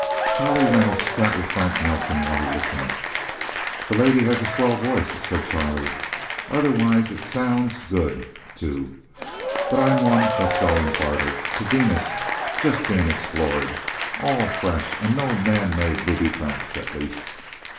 Charlie Reynolds sat with Frank Nelsen while he listened. "The lady has a swell voice," said Charlie. "Otherwise, it sounds good, too. But I'm one that's going farther. To Venus just being explored. All fresh, and no man made booby traps, at least.